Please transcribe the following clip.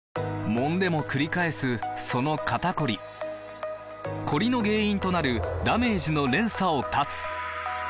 もんでもくり返すその肩こりコリの原因となるダメージの連鎖を断つ！